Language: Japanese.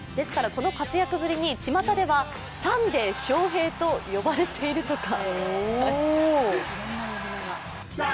この活躍ぶりにちまたではサンデー・ショウヘイと呼ばれているとか。